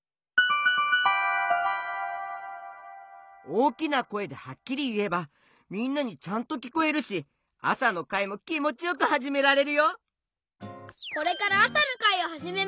おおきなこえではっきりいえばみんなにちゃんときこえるしあさのかいもきもちよくはじめられるよ！